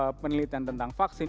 melakukan penelitian tentang vaksin